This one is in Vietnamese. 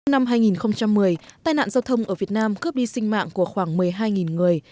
năm hai nghìn một mươi tai nạn giao thông ở việt nam cướp đi sinh mạng của khoảng một mươi hai người